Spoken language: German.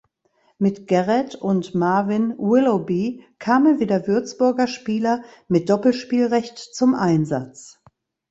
Mit Garrett und Marvin Willoughby kamen wieder Würzburger Spieler mit Doppelspielrecht zum Einsatz.